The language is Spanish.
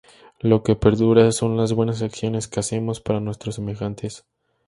Lo que perdura son las buenas acciones que hacemos para nuestros semejantes".